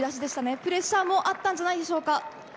プレッシャーもあったんじゃないでしょうか。